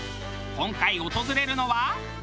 今回訪れるのは。